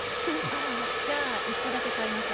ああ、じゃあ一戸建て買いましょう。